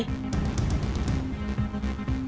tiếp nối chương trình